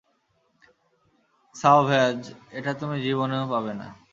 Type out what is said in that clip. সাওভ্যাজ, এটা তুমি জীবনেও পাবে না!